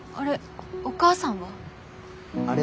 あれ？